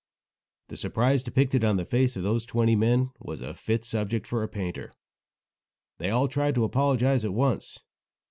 The surprise depicted on the faces of those twenty men was a fit subject for a painter. They all tried to apologize at once.